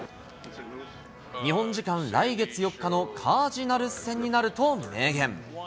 日本時間、来月４日のカージナルス戦になると明言。